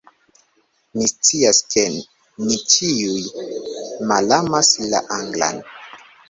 Mi scias, ke ni ĉiuj malamas la anglan